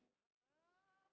bagaimana kita bisa membuatnya